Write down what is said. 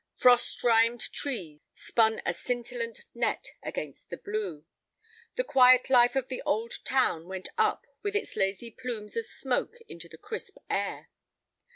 Frost rimed trees spun a scintillant net against the blue. The quiet life of the old town went up with its lazy plumes of smoke into the crisp air.